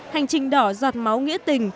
hành trình đỏ giọt máu nghĩa tình